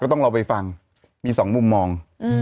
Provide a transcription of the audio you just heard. ต้องลองไปฟังมีสองมุมมอง